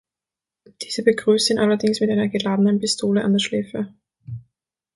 Dieser begrüßt ihn allerdings mit einer geladenen Pistole an der Schläfe.